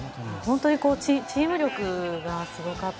本当にチーム力がすごかった。